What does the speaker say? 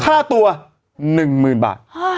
ค่าตัว๑หมื่นบาท